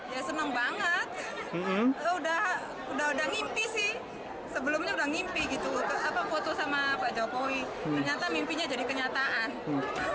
ya seneng banget udah ngimpi sih sebelumnya udah ngimpi gitu foto sama pak jokowi ternyata mimpinya jadi kenyataan